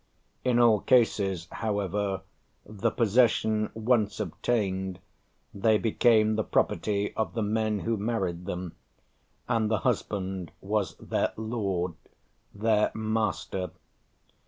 In all cases, however, the possession once obtained, they became the property of the men who married them, and the husband was their "lord," their "master."